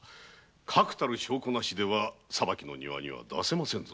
確たる証拠なしでは裁きの庭には出せませぬぞ。